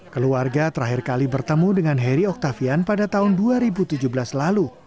keluarga terakhir kali bertemu dengan heri oktavian pada tahun dua ribu tujuh belas lalu